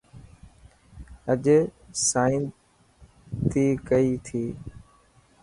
اڄ سائن تي ڪي ٿيو.